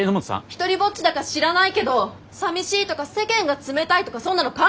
独りぼっちだか知らないけどさみしいとか世間が冷たいとかそんなの関係ないのこっちは。